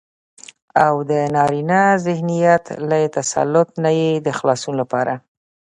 او دنارينه ذهنيت له تسلط نه يې د خلاصون لپاره